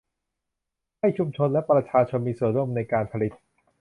ให้ชุมชนและประชาชนมีส่วนร่วมในการผลิต